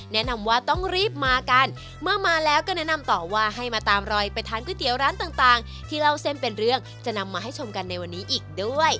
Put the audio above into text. แนะนำว่าต้องรีบมากันเมื่อมาแล้วก็แนะนำต่อว่าให้มาตามรอยไปทานก๋วยเตี๋ยวร้านต่างที่เล่าเส้นเป็นเรื่องจะนำมาให้ชมกันในวันนี้อีกด้วย